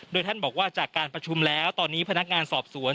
โดยท่านบอกว่าจากการประชุมแล้วตอนนี้พนักงานสอบสวน